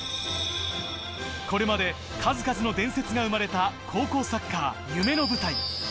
これまで数々の伝説が生まれた高校サッカー、夢の舞台。